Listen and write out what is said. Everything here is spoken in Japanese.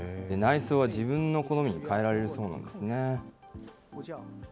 内装は自分の好みに変えられるそうなんですね。